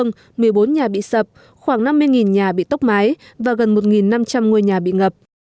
một mươi bốn nhà bị sập khoảng năm mươi nhà bị tốc mái và gần một năm trăm linh ngôi nhà bị ngập